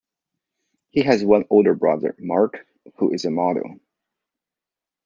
He has one older brother, Mark, who is a model.